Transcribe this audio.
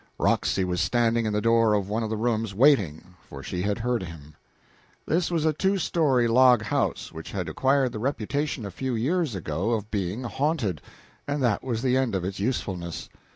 Roxy was standing in the door of one of the rooms, waiting, for she had heard him. This was a two story log house which had acquired the reputation a few years before of being haunted, and that was the end of its usefulness.